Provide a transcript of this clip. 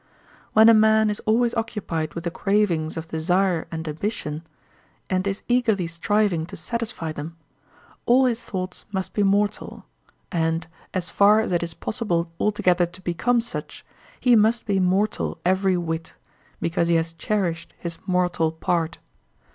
When a man is always occupied with the cravings of desire and ambition, and is eagerly striving to satisfy them, all his thoughts must be mortal, and, as far as it is possible altogether to become such, he must be mortal every whit, because he has cherished his mortal part.